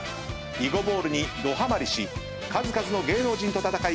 囲碁ボールにどハマリし数々の芸能人と戦い